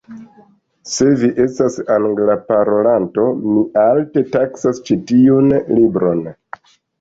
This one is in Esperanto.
Se vi estas Angla parolanto, mi alte taksas ĉi tiun libron.